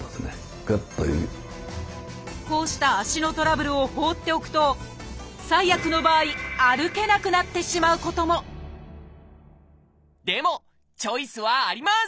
こうした足のトラブルを放っておくと最悪の場合歩けなくなってしまうこともでもチョイスはあります！